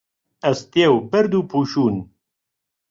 ئەستێ و بەرد و پووشوون